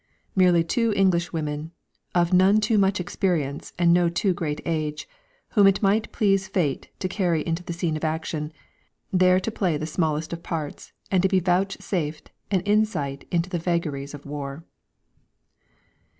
Merely two Englishwomen, of none too much experience and no too great age, whom it might please Fate to carry into the scene of action, there to play the smallest of parts and to be vouchsafed an insight into the vagaries of war.